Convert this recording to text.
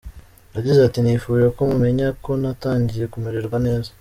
Yagize ati “Nifuje ko mumenya ko natangiye kumererwa neza.